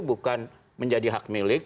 bukan menjadi hak milik